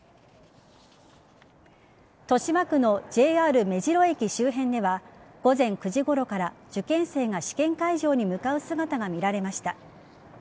豊島区のＪＲ目白駅周辺では午前９時ごろから受験生が試験会場に向かう姿が見られました。